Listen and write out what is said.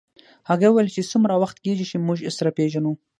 هغې وویل چې څومره وخت کېږي چې موږ سره پېژنو